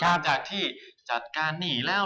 หลังจากที่จัดการหนี้แล้ว